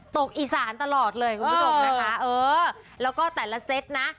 ตกอิสานตลอดเลยแล้วก็แต่ละเซ็ตนะ